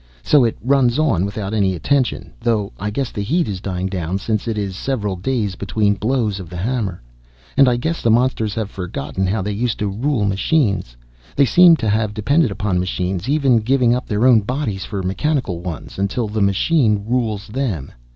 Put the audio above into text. So it runs on, without any attention though I guess the heat is dying down, since it is several days between blows of the hammer. "And I guess the monsters have forgotten how they used to rule machines. They seem to have depended upon machines, even giving up their own bodies for mechanical ones, until the machine rules them.